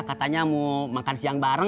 katanya mau makan siang bareng